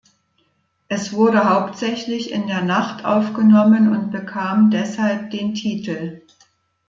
Es wurde hauptsächlich in der Nacht aufgenommen und bekam deshalb den Titel.